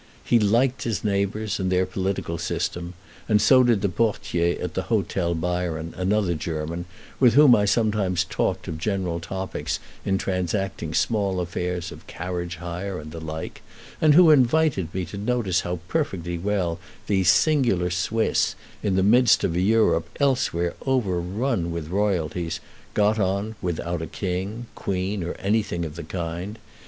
He liked his neighbors and their political system; and so did the portier at the Hôtel Byron, another German, with whom I sometimes talked of general topics in transacting small affairs of carriage hire and the like, and who invited me to notice how perfectly well these singular Swiss, in the midst of a Europe elsewhere overrun with royalties, got on without a king, queen, or anything of the kind.